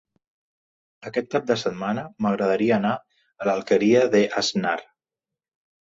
Aquest cap de setmana m'agradaria anar a l'Alqueria d'Asnar.